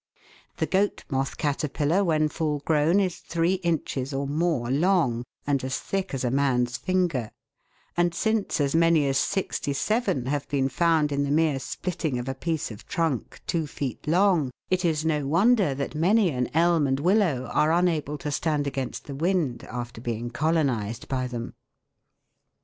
The goat moth caterpillar when full grown is three inches or more long and as thick as a man's finger ; and since as many as sixty seven have been found Fig. 41. THE WOOD LEOPARD MOTH. in the mere splitting of a piece of trunk two feet long, it is no wonder that many an elm and willow are unable to stand against the wind after being colonised by them.